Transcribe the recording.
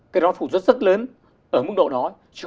cái đó phụ rất lớn ở mức độ đó